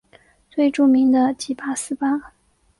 最著名的即八思巴。